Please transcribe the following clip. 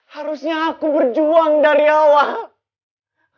harusnya aku berjuang dari awal